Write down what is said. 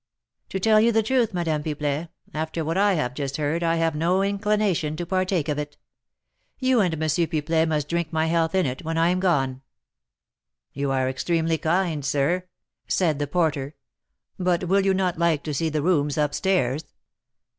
"To tell you the truth, Madame Pipelet, after what I have just heard I have no inclination to partake of it. You and M. Pipelet must drink my health in it when I am gone." "You are extremely kind, sir," said the porter; "but will you not like to see the rooms up stairs?"